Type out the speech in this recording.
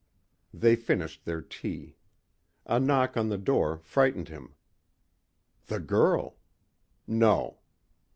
They finished their tea. A knock on the door frightened him. The girl! No.